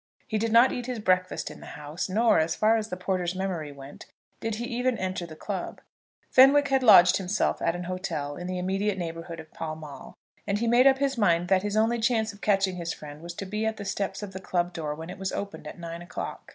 He did not eat his breakfast in the house, nor, as far as the porter's memory went, did he even enter the club. Fenwick had lodged himself at an hotel in the immediate neighbourhood of Pall Mall, and he made up his mind that his only chance of catching his friend was to be at the steps of the club door when it was opened at nine o'clock.